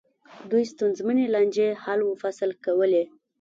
دوی ستونزمنې لانجې حل و فصل کولې.